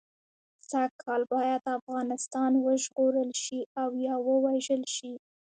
سږ کال باید افغانستان وژغورل شي او یا ووژل شي.